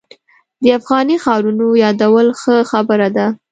د افغاني ښارونو یادول ښه خبره ده.